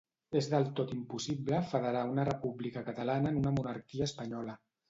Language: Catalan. És del tot impossible federar una república catalana en una monarquia espanyola.